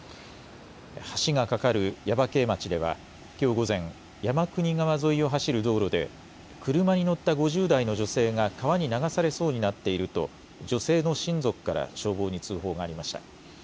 橋が架かる耶馬渓町ではきょう午前、山国川沿いを走る道路で、車に乗った５０代の女性が川に流されそうになったと、女性の親族から消防に通報がありました。